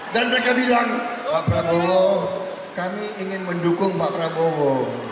dan mereka bilang pak prabowo kami ingin mendukung pak prabowo